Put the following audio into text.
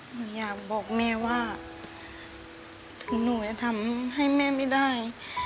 หนูอยากบอกแม่ว่าถึงหนูจะทำให้แม่ไม่ได้